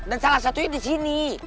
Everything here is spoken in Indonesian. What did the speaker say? dan salah satunya disini